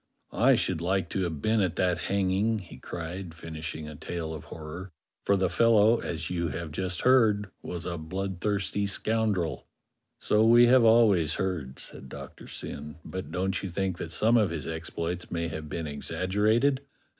*'I should like to have been at that hanging," he cried, finishing a tale of horror, *'for the fellow, as you have just heard, was a bloodthirsty scoundrel." "So we have always heard," said Doctor Syn; "but don't you think that some of his exploits may have been exaggerated.?"